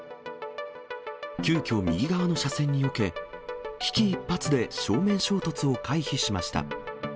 急きょ、右側の車線によけ、危機一髪で正面衝突を回避しました。